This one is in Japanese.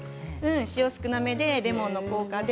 塩、少なめでレモンの効果で。